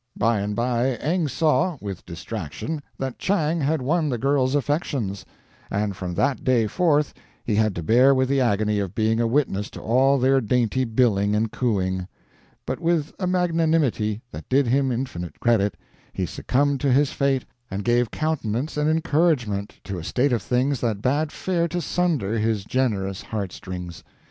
By and by Eng saw, with distraction, that Chang had won the girl's affections; and, from that day forth, he had to bear with the agony of being a witness to all their dainty billing and cooing. But with a magnanimity that did him infinite credit, he succumbed to his fate, and gave countenance and encouragement to a state of things that bade fair to sunder his generous heart strings.